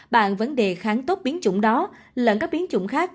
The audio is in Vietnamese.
bạn vấn đề kháng tốt biến chủng đó lẫn các biến chủng khác